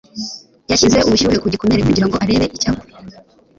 Yashyize ubushyuhe ku gikomere kugira ngo arebe icyakura.